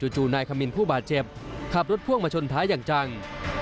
จู่นายขมินผู้บาดเจ็บขับรถพ่วงมาชนท้ายอย่างจัง